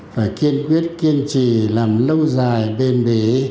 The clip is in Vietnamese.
phải kiên quyết kiên trì làm lâu dài bền bỉ